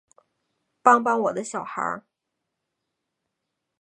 帮帮我的小孩